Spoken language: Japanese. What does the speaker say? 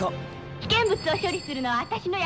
危険物を処理するのは私の役目。